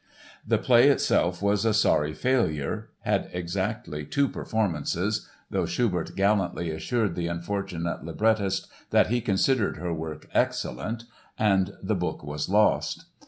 The play itself was a sorry failure, had exactly two performances (though Schubert gallantly assured the unfortunate librettist that he considered her work "excellent") and the book was lost.